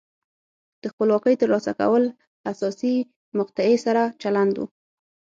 د خپلواکۍ ترلاسه کول حساسې مقطعې سره چلند و.